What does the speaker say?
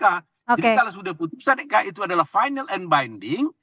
jadi kalau sudah putusan itu adalah final and binding